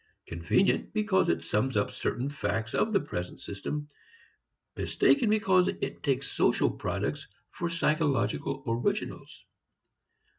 Convenient because it sums up certain facts of the present system, mistaken because it takes social products for psychological originals.